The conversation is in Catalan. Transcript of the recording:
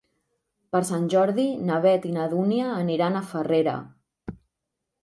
Per Sant Jordi na Beth i na Dúnia aniran a Farrera.